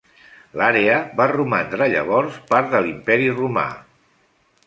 L'àrea va romandre llavors part de l'imperi Romà.